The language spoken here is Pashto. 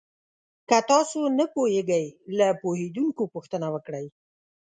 که تاسو نه پوهېږئ، له پوهېدونکو پوښتنه وکړئ.